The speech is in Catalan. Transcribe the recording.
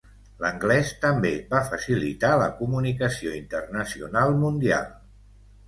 L'anglès també va facilitar la comunicació internacional mundial.